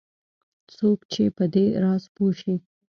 څوک چې په دې راز پوه شي